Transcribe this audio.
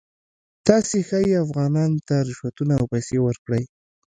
تاسې ښایي افغانانو ته رشوتونه او پیسې ورکړئ.